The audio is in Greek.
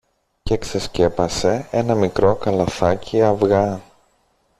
και ξεσκέπασε ένα μικρό καλαθάκι αυγά.